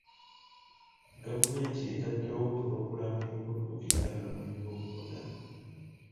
Gavumenti etaddewo pulogulaamu y'okudduukirira abanoonyi b'obubudamu.